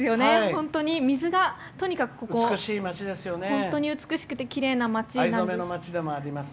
本当に水がとにかく本当に美しくてきれいな町なんです。